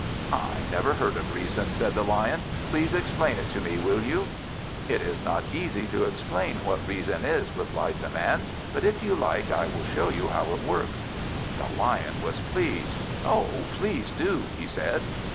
"I never heard of reason," said the Lion. "Please explain it to me, will you?" "It is not easy to explain what reason is," replied the Man; "but if you like, I will show you how it works." The Lion was pleased. "Oh please do," he said.